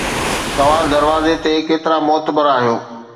توهان دروازي تي ڪيترا معتبر آهيو